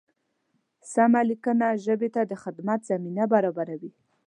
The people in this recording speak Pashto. سمه لیکنه ژبې ته د پرمختګ زمینه برابروي.